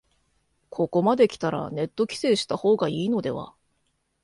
ここまできたらネット規制した方がいいのでは